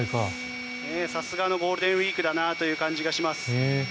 さすがのゴールデンウィークだなという感じがします。